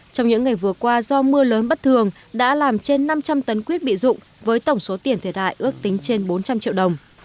trong những ngày vừa qua do mưa lớn bất thường đã làm trên năm trăm linh tấn quyết bị dụng với tổng số tiền thiệt hại ước tính trên bốn trăm linh triệu đồng